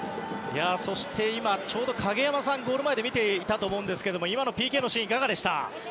そして今、影山さんがゴール前で見ていたと思いますが今のＰＫのシーンはいかがですか？